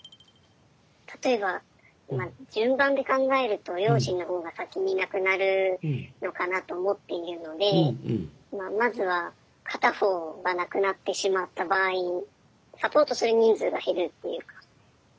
例えばまあ順番で考えると両親の方が先に亡くなるのかなと思っているのでまあまずは片方が亡くなってしまった場合サポートする人数が減るっていうか。